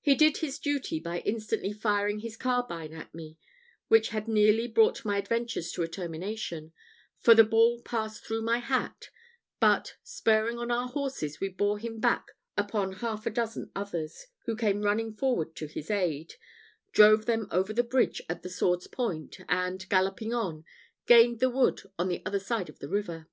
He did his duty by instantly firing his carbine at me, which had nearly brought my adventures to a termination; for the ball passed through my hat; but spurring on our horses, we bore him back upon half a dozen others, who came running forward to his aid, drove them over the bridge at the sword's point, and, galloping on, gained the wood on the other side of the river.